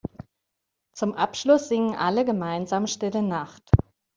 Zum Abschluss singen alle gemeinsam Stille Nacht.